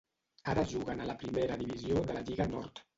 Ara juguen a la Primera Divisió de la Lliga Nord.